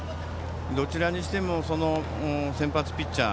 どちらにしても先発ピッチャー